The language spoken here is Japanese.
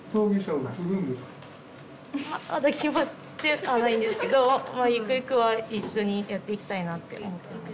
まだ決まってはないんですけどゆくゆくは一緒にやっていきたいなって思ってます。